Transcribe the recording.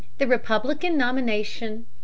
The Republican Nomination, 1860.